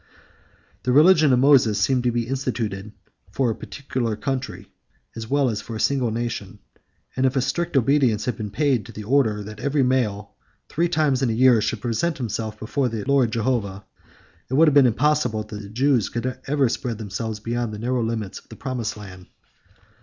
11 The religion of Moses seems to be instituted for a particular country as well as for a single nation; and if a strict obedience had been paid to the order, that every male, three times in the year, should present himself before the Lord Jehovah, it would have been impossible that the Jews could ever have spread themselves beyond the narrow limits of the promised land.